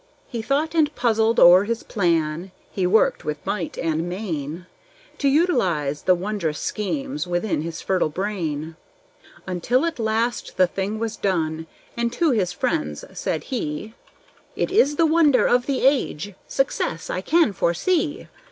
He thought and puzzled o'er his plan, he worked with might and main To utilize the wondrous schemes within his fertile brain: Until at last the thing was done, and to his friends said he: "It is the wonder of the age! Success I can foresee!